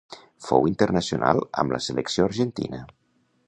Fou internacional amb la selecció argentina.